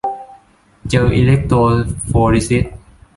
เจลอิเล็กโทรโฟริซิส